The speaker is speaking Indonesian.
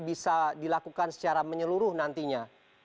bisa dilakukan secara menyeluruh nantinya